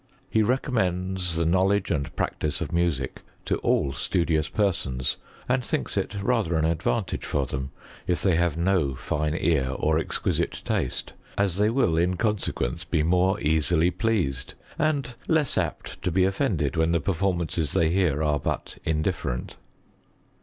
He recom mends the knowledge and practice of music to all studious persons, and thinks it rather an advantage for them if they have no fine ear or exquisite taste, as they will, in consequence, be more easily pleased, and less apt to be offended when the performances tiiey hear are but indifferent.